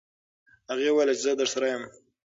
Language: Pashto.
هغې وویل چې زه درسره یم.